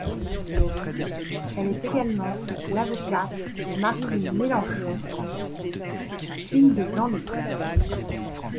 Elle est également l'avocate de Maryline Mélenchon, fille de Jean-Luc.